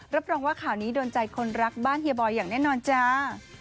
รับรองว่าข่าวนี้โดนใจคนรักบ้านเฮียบอยอย่างแน่นอนจ้า